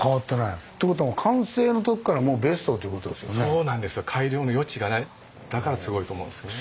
そうなんですよ。ということはだからすごいと思うんですよね。